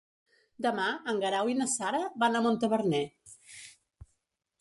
Demà en Guerau i na Sara van a Montaverner.